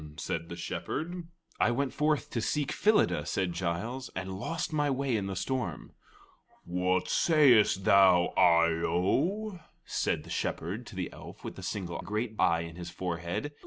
said the Shepherd. "I went forth to seek Phyllida," said Giles, "and lost my way in the storm." "What sayest thou, Eye o?" said the Shepherd to the elf with the single great eye in his forehead.